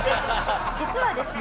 実はですね